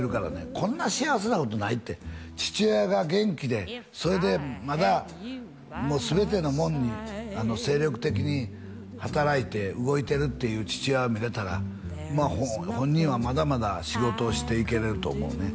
こんな幸せなことないって父親が元気でそれでまだ全てのもんに精力的に働いて動いてるっていう父親を見れたらまあ本人はまだまだ仕事をしていけれると思うね